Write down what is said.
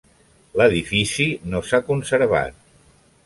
L'edifici no s'ha conservat.